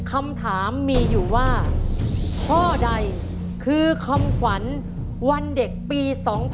คำถามมีอยู่ว่าข้อใดคือคำขวัญวันเด็กปี๒๕๖๒